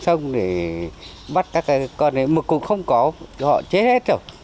sông bắt các con này mực cũng không có họ chết hết rồi